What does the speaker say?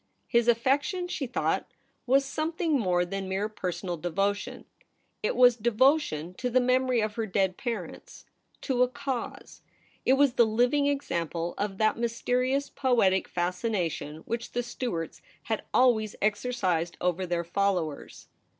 His affection, she thought, was something more than mere personal devo tion. It was devotion to the memory of her dead parents ; to a cause. It was the living example of that mysterious poetic fascination which the Stuarts had always exercised over their followers.